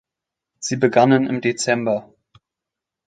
Sie begannen im Dezember.